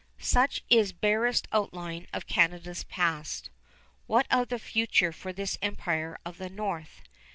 Such is barest outline of Canada's past. What of the future for this Empire of the North?